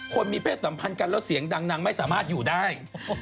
คนมีเพศสัมพันธ์กันแล้วเสียงดังนางไม่สามารถอยู่ได้